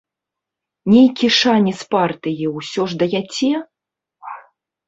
Нейкі шанец партыі ўсё ж даяце?